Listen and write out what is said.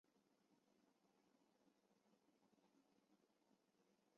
第六条第五点